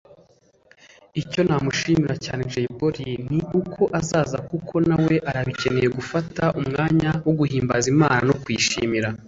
Icyo namushimira cyane Jay Polly ni uko azaza kuko nawe arabikeneye gufata umwanya wo guhimbaza Imana no kuyishimira